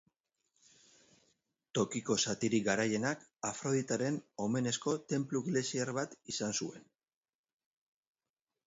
Tokiko zatirik garaienak, Afroditaren omenezko tenplu greziar bat izan zuen.